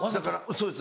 そうです